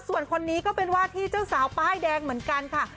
ส่วนคนนี้ก็เป็นว่าที่เจ้าสาวป้ายแดงเหมือนกันค่ะ